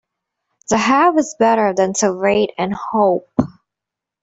To have is better than to wait and hope.